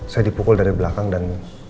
saya dipukul dari belakang dan